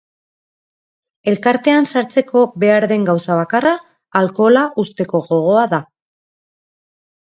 Elkartean sartzeko behar den gauza bakarra, alkohola uzteko gogoa da.